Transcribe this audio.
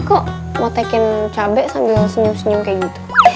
kok mau tekin cabai sambil senyum senyum kayak gitu